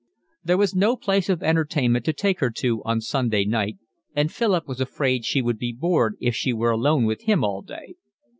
There was no place of entertainment to take her to on Sunday night, and Philip was afraid she would be bored if she were alone with him all day.